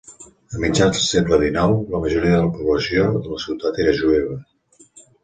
A mitjans del segle XIX, la majoria de la població de la ciutat era jueva.